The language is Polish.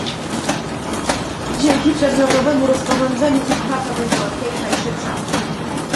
dzięki przedmiotowemu rozporządzeniu ich praca będzie łatwiejsza i szybsza